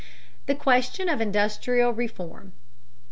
THE QUESTION OF INDUSTRIAL REFORM.